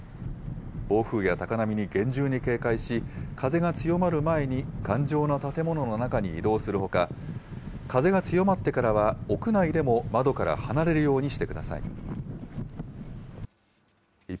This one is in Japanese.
暴風や高波に厳重に警戒し、風が強まる前に頑丈な建物の中に移動するほか、風が強まってからは屋内でも窓から離れるようにしてください。